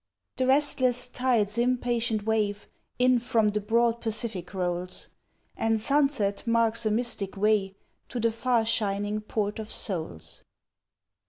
The restless tide's impatient wave In from the broad Pacific rolls And sunset marks a mystic way To the far shining Port of Souls.